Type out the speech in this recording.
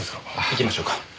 行きましょうか。